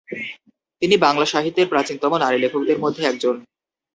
তিনি বাংলা সাহিত্যের প্রাচীনতম নারী লেখকদের মধ্যে একজন।